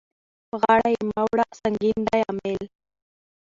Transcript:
په غاړه يې مه وړه سنګين دی امېل.